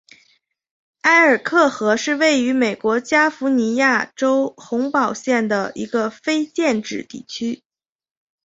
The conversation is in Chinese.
埃尔克河是位于美国加利福尼亚州洪堡县的一个非建制地区。